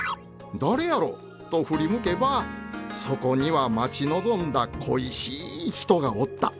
誰やろ？と振り向けばそこには待ち望んだ恋しい人がおった！